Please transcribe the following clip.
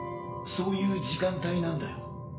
そういう時間帯なんだよ。